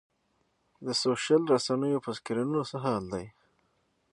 دا سوشل رسنیو په سکرینونو څه حال دی.